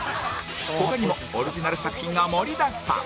他にもオリジナル作品が盛りだくさん